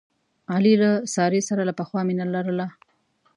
علي له سارې سره له پخوا مینه لرله.